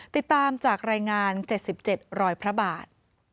ติดตามจากรายงานเจ็ดสิบเจ็ดร้อยพระบาท